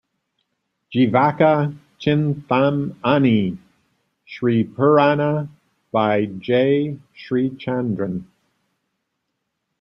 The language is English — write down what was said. "Jeevaka Chinthamani", "Sripurana" by J Srichandran.